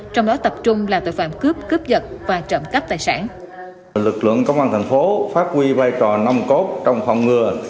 trong đó tập trung là tội phạm cướp cướp giật và trộm cắp tài sản